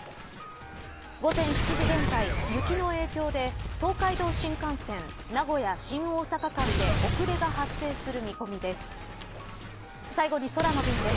午前７時現在雪の影響で東海道新幹線名古屋、新大阪間で遅れが発生する見込みです。